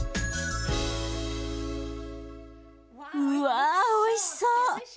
うわおいしそう。